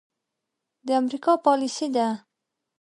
د امريکا پاليسي ده.